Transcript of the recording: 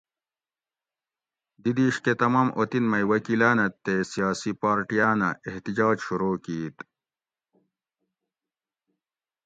دی دیش کہ تمام اوطن مئ وکیلانہ تے سیاسی پارٹیاۤنہ احتجاج شروع کیت